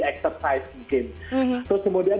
exercise mungkin terus kemudian